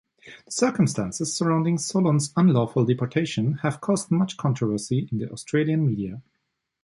The circumstances surrounding Solon's unlawful deportation have caused much controversy in the Australian media.